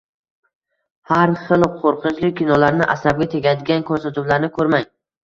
Har xil qo‘rqinchli kinolarni, asabga tegadigan ko‘rsatuvlarni ko‘rmang.